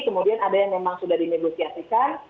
kemudian ada yang memang sudah dinegosiasikan